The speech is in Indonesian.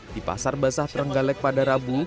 di pasar basah trenggalek pada rabu